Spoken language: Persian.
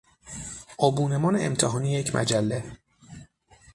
آبونمان امتحانی یک مجله